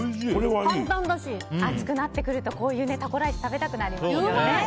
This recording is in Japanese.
暑くなってくるとこういうタコライスを食べたくなりますよね。